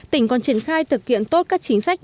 tỉnh còn triển khai thực hiện tốt các chính sách